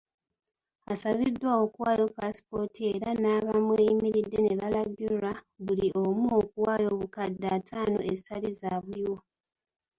Asabiddwa okuwaayo paasipooti ye era n'abamweyimiridde ne balangirwa buli omu okuwaayo obukadde ataano ezitali zaabuliwo.